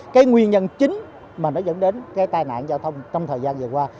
cái nguyên nhân chính mà nó dẫn đến cái tai nạn giao thông trong thời gian vừa qua